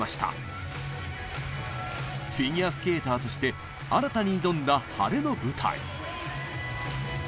フィギュアスケーターとして新たに挑んだ晴れの舞台。